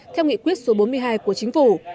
theo nghị quyết số bốn mươi hai của chính phủ